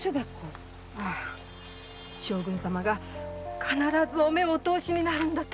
将軍様が必ずお目をおとおしになるんだと。